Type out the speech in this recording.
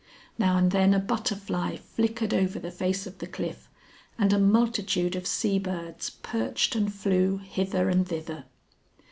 Now and then a butterfly flickered over the face of the cliff, and a multitude of sea birds perched and flew hither and thither.